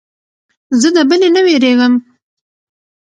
زه د بلې نه وېرېږم.